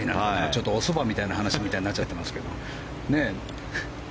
ちょっと、おそばみたいな話になっちゃってますけど。